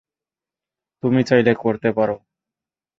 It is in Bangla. তুমি চাইলে করতে পারো।